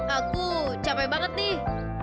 aku capek banget nih